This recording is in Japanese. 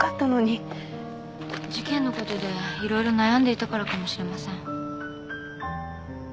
事件のことでいろいろ悩んでいたからかもしれません。